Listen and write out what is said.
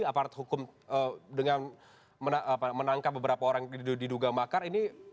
aparat hukum dengan menangkap beberapa orang yang diduga makar ini